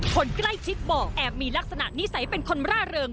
คนใกล้ชิดบอกแอบมีลักษณะนิสัยเป็นคนร่าเริง